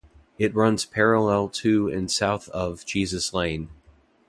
It runs parallel to and south of Jesus Lane.